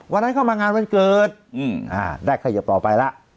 อ๋อวันนั้นเข้ามางานวันเกิดอืมอ่าได้ขยับต่อไปแล้ว